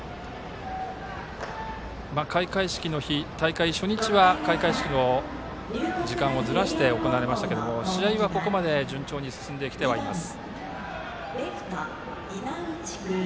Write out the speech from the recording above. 開会式の日、大会初日は開会式の時間をずらして行われましたけども試合はここまで順調に進んできてはいます。